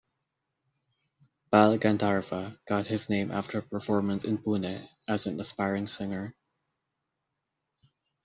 Bal Gandharva got his name after a performance in Pune as an aspiring singer.